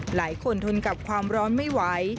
หลายคนทนกับความร้อนไม่ไหว